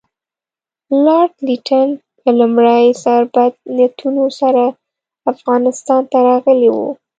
لارډ لیټن له لومړي سره بد نیتونو سره افغانستان ته راغلی وو.